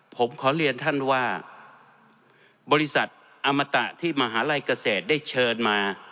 ผมขอเรียนท่านว่าบริษัทอมตะที่มหาลัยเกษตรได้เชิญมา